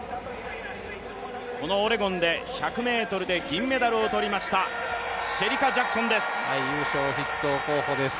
このオレゴンで１００ｍで銀メダルを取りました、シェリカ・ジャクソンです。